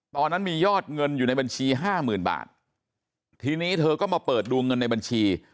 ตอนนั้นมียอดเงินอยู่ในบัญชีห้าหมื่นบาททีนี้เธอก็มาเปิดดูเงินในบัญชี